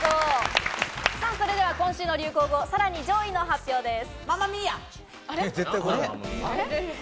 それでは今週の流行語、さらに上位の発表です。